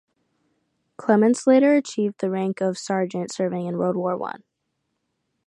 Clements later achieved the rank of Sergeant serving in World War One.